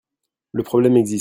Le problème existe.